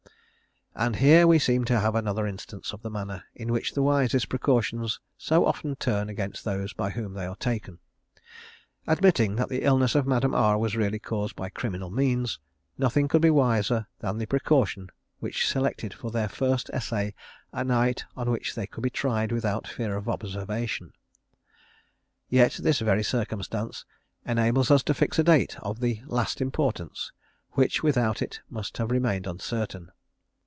And here we seem to have another instance of the manner in which the wisest precautions so often turn against those by whom they are taken (III. and V.). Admitting that the illness of Madame R was really caused by criminal means, nothing could be wiser than the precaution which selected for their first essay a night on which they could be tried without fear of observation. Yet this very circumstance enables us to fix a date of the last importance, which without it must have remained uncertain.